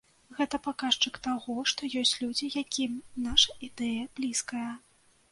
Гэта паказчык таго, што ёсць людзі, якім наша ідэя блізкая.